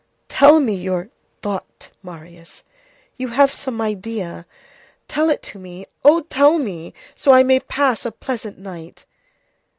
"Tell me your thought, Marius; you have some idea. Tell it to me. Oh! tell me, so that I may pass a pleasant night."